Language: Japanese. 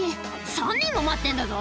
「３人も待ってんだぞ」